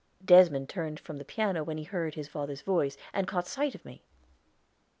Desmond turned from the piano when he heard his father's voice, and caught sight of me.